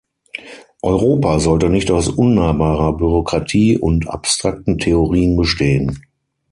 Europa sollte nicht aus unnahbarer Bürokratie und abstrakten Theorien bestehen.